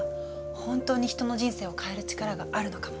本当に人の人生を変える力があるのかも。